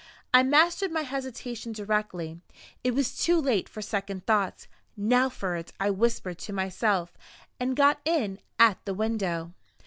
I mastered my hesitation directly it was too late for second thoughts. "Now for it!" I whispered to myself, and got in at the window.